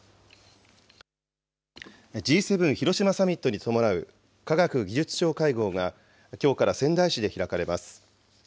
Ｇ７広島サミットに伴う科学技術相会合が、きょうから仙台市で開かれます。